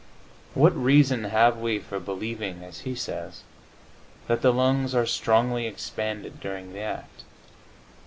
What reason have we for believing, as he says, that the lungs are "strongly expanded" during the act?